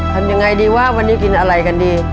ทำยังไงดีวะวันนี้กินอะไรกันดี